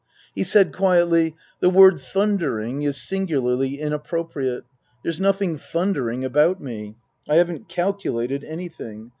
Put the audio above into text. He said quietly, " The word thundering is singularly inappropriate. There's nothing thundering about me. I haven't calculated anything.